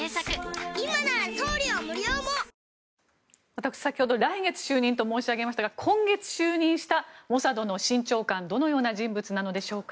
私、先ほど来月就任と申しましたが今月就任したモサドの新長官どのような人物なんでしょうか。